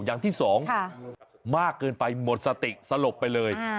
อย่างที่สองมากเกินไปหมดสติสลบไปเลย